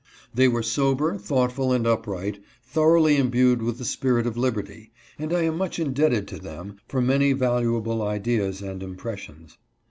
They were sober, thoughtful and upright, thoroughly imbued with the spirit of liberty, and 1 am much indebted to them for many valuable ideas and im pressions.